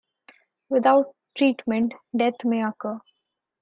Without treatment death may occur.